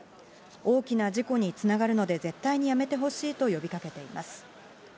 大きな事故に繋がるので絶対にやめてほしいと呼びかけています。